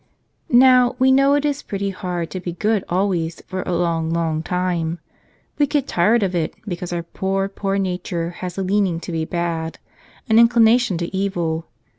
Now, we know it is pretty hard to be good always, for a long, long time. We get tired of it, because our poor, poor nature has a leaning to be bad, an inclina¬ tion to evil.